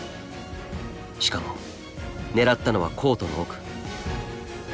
しかも狙ったのはコートの奥。